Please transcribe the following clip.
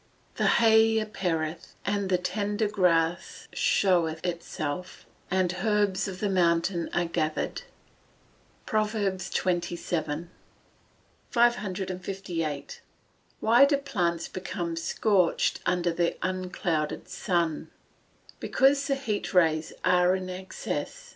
[Verse: "The hay appeareth, and the tender grass showeth itself, and herbs of the mountain are gathered." PROV. XXVII.] 558. Why do plants become scorched under the unclouded sun? Because the heat rays are in excess.